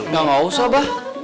ya gak usah bah